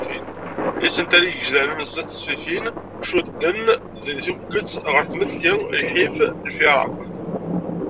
Isental igejdanen n snat-a n tesfifin, cudden deg tuget ɣer tmetti, lḥif, lfiraq.